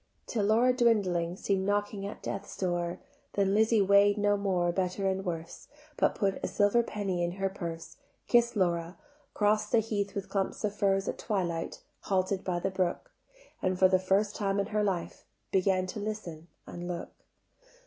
Till Laura dwindling Seem'd knocking at Death's door: Then Lizzie weigh'd no more Better and worse; But put a silver penny in her purse, Kiss'd Laura, cross'd the heath with clumps of furze At twilight, halted by the brook: And for the first time in her life Began to listen and look.